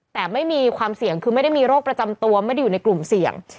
แต่ไม่มีความเสี่ยงคือไม่ได้มีโรคประจำตัวไม่ได้อยู่ในกลุ่มเสี่ยง